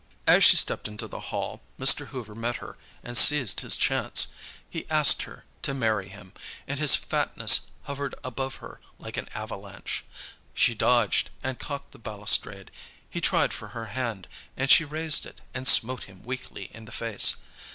As she stepped into the hall Mr. Hoover met her and seized his chance. He asked her to marry him, and his fatness hovered above her like an avalanche. She dodged, and caught the balustrade. He tried for her hand, and she raised it and smote him weakly in the face.